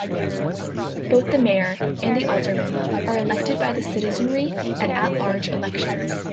Both the mayor and aldermen are elected by the citizenry in at-large elections.